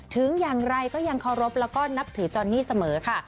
ถึงอย่างไรก็ยังเคารพแล้วก็นับถือจอนนี่เสมอค่ะ